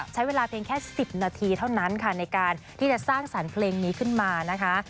ใช้เวลาเพียงแค่๑๐นาทีเท่านั้นค่ะในการที่จะสร้างสรรค์เพลงนี้ขึ้นมานะคะ